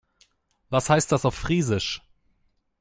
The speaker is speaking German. Was heißt das auf Friesisch?